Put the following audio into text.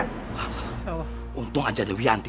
paham untung aja ada wianti